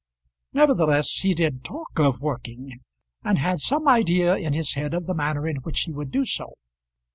Nevertheless he did talk of working, and had some idea in his head of the manner in which he would do so.